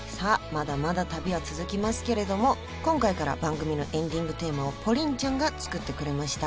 まだまだ旅は続きますけれども今回から番組のエンディングテーマをＰＯＲＩＮちゃんが作ってくれました